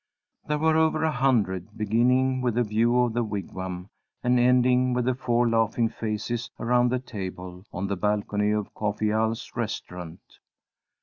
There were over a hundred, beginning with a view of the Wigwam and ending with the four laughing faces around the table on the balcony of Coffee Al's restaurant.